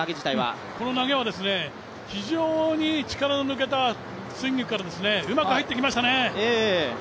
この投げは非常に力の抜けたスイングから、うまく入ってきましたね。